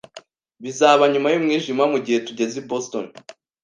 Bizaba nyuma yumwijima mugihe tugeze i Boston